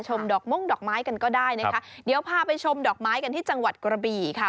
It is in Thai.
ดอกม่วงดอกไม้กันก็ได้นะคะเดี๋ยวพาไปชมดอกไม้กันที่จังหวัดกระบี่ค่ะ